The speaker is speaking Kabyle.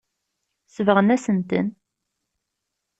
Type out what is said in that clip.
Sebɣen-asen-ten.